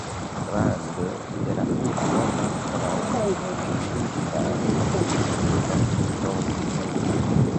Rande de la urbo ankoraŭ ekzistas juda tombejo.